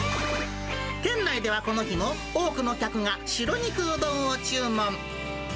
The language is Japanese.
店内ではこの日も、多くの客が白肉うどんを注文。